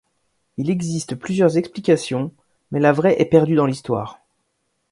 Il existe plusieurs explications, mais la vraie est perdue dans l'histoire.